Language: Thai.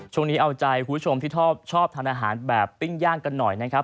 ช่วงนี้เอาใจคุณผู้ชมที่ชอบทานอาหารแบบปิ้งย่างกันหน่อยนะครับ